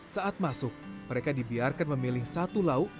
saat masuk mereka dibiarkan memilih satu lauk